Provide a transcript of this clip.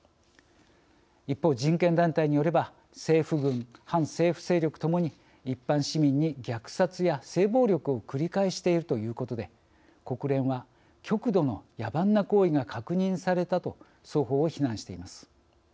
一方、人権団体によれば政府軍、反政府勢力ともに一般市民に虐殺や性暴力を繰り返しているということで国連は極度の野蛮な行為が確認されたと双方を非難しています。